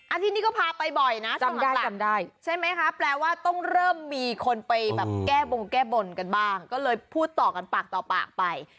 ที่นี่ก็พาไปบ่อยนะจำได้จำได้ใช่ไหมคะแปลว่าต้องเริ่มมีคนไปแบบแก้บงแก้บนกันบ้างก็เลยพูดต่อกันปากต่อปากไป